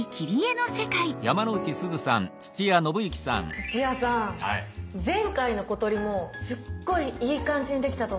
土屋さん前回の「小鳥」もすっごいいい感じにできたと思うんですよ。